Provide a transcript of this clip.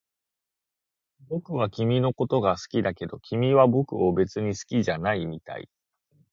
僕は君のことが好きだけど、君は僕を別に好きじゃないみたい